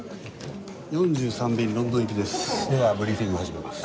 ４３便ロンドン行きです。